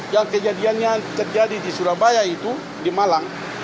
yang kejadiannya terjadi di surabaya itu di malang